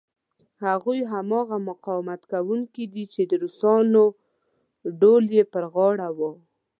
هغوی هماغه مقاومت کوونکي دي چې د روسانو ډول یې پر غاړه و.